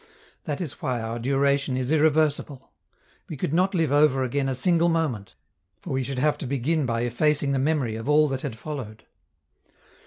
That is why our duration is irreversible. We could not live over again a single moment, for we should have to begin by effacing the memory of all that had followed.